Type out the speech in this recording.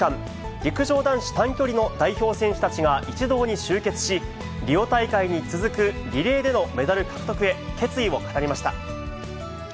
陸上男子短距離の代表選手たちが一堂に集結し、リオ大会に続くリレーでのメダル獲得へ、決意を語りました。